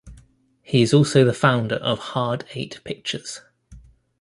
He is also the founder of Hard Eight Pictures.